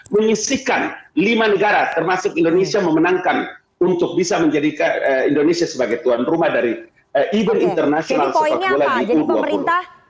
mengisikan lima negara termasuk indonesia memenangkan untuk bisa menjadi indonesia sebagai tuan rumah dari event internasional sepak bola di u dua puluh